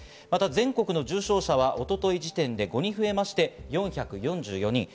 また全国の重症者は一昨日時点で５人増えまして４４４人。